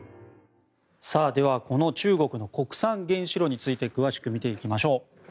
この中国の国産原子炉について詳しく見ていきましょう。